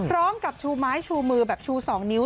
กับชูไม้ชูมือแบบชู๒นิ้ว